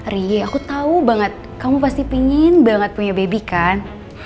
riri aku tau banget kamu pasti pengen banget punya baby kan